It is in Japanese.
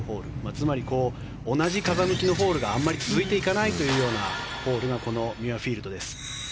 つまり同じ風向きのホールがあまり続いていかないというのがこのミュアフィールドです。